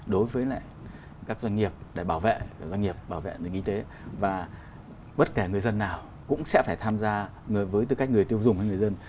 đối với các doanh nghiệp để bảo vệ doanh nghiệp bảo vệ nền kinh tế và bất kể người dân nào cũng sẽ phải tham gia với tư cách người tiêu dùng hay người dân